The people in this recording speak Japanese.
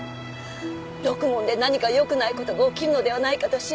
ろくもんで何かよくない事が起きるのではないかと心配で。